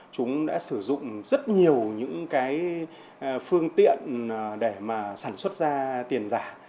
chúng đã sử dụng rất nhiều những cái phương tiện để mà sản xuất ra tiền giả